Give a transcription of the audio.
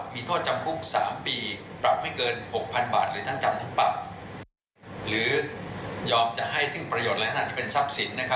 มีโทษจำคุก๓ปีปรับไม่เกิน๖๐๐๐บาทหรือทั้งจำทั้งปรับ